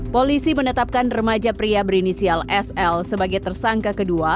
polisi menetapkan remaja pria berinisial sl sebagai tersangka kedua